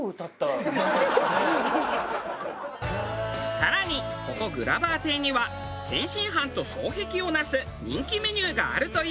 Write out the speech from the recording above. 更にここグラバー亭には天津飯を双璧をなす人気メニューがあるという。